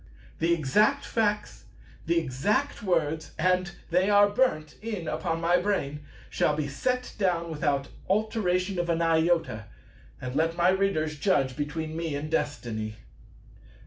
The exact facts, the exact words,—and they are burnt in upon my brain,—shall be set down without alteration of an iota; and let my Readers judge between me and Destiny.